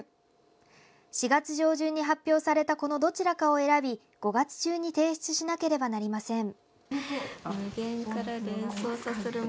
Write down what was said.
４月上旬に発表されたこのどちらかを選び５月中に提出しなければなりません。